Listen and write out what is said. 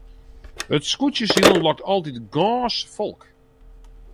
It skûtsjesilen lûkt altyd gâns folk.